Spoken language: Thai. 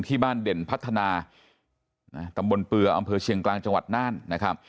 บ้านเด่นพัฒนาตำบลเปลืออำเภอเชียงกลางจังหวัดน่านนะครับ